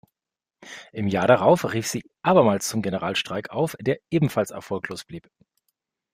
Im Jahr darauf rief sie abermals zum Generalstreik auf, der ebenfalls erfolglos blieb.